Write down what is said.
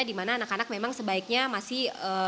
di mana anak anak memang sebaiknya masih